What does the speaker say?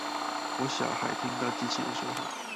我小孩聽到機器人說話